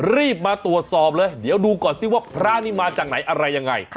รีบมาตรวจสอบเลยเดี๋ยวดูก่อนซิว่าพระนี่มาจากไหนอะไรยังไง